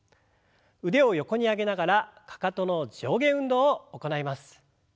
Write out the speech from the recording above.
腕を横に上げながらかかとの上下運動を行います。